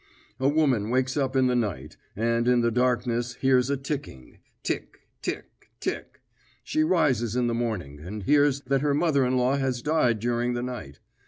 A woman wakes up in the night, and in the darkness hears a ticking tick, tick, tick! She rises in the morning, and hears that her mother in law has died during the night.